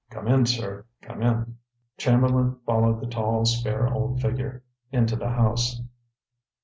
Come in, sir, come in." Chamberlain followed the tall spare old figure into the house.